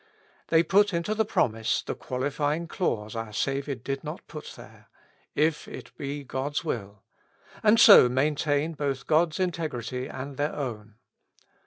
They put into the promise the qualifying clause our Saviour did not put there — if it be God's will; and so maintain both God's integrity and their own.